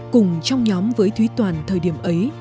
cùng trong nhóm với thúy toàn thời điểm ấy